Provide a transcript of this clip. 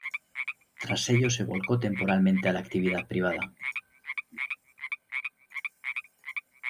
Tras ello se volcó temporalmente a la actividad privada.